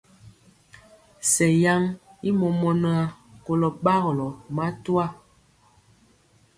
Sɛŋ yaŋ i mɔmɔnaa kolɔ gbagɔlɔ matwa.